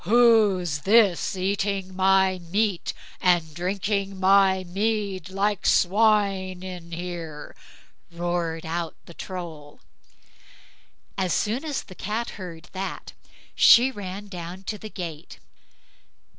"WHO'S THIS EATING MY MEAT AND DRINKING MY MEAD LIKE SWINE IN HERE", roared out the Troll. As soon as the Cat heard that, she ran down to the gate.